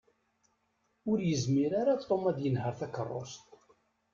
Ur yezmir ara Tom ad yenheṛ takeṛṛust.